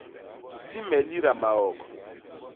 Ti me lida maok.